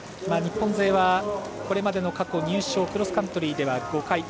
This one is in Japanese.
日本勢はこれまでの過去の入賞クロスカントリーでは５回。